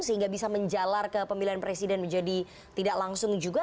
sehingga bisa menjalar ke pemilihan presiden menjadi tidak langsung juga